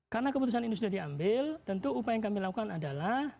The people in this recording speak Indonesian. karena keputusan ini sudah diambil tentu upaya yang kami lakukan adalah